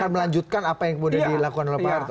akan melanjutkan apa yang kemudian dilakukan oleh pak harto